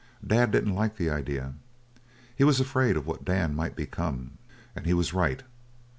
"Dad didn't like the idea. He was afraid of what Dan might become. And he was right.